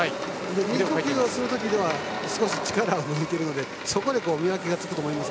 右呼吸のときは少し力を抜いているのでそこで見分けがつくと思います。